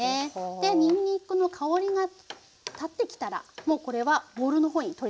でにんにくの香りがたってきたらもうこれはボウルの方に取り出して頂いてＯＫです。